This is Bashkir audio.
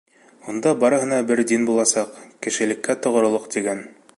Унда барыһына бер дин буласаҡ, «Кешелеккә тоғролоҡ» тигән.